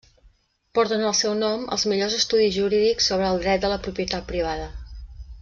Porten el seu nom els millors estudis jurídics sobre el dret de la propietat privada.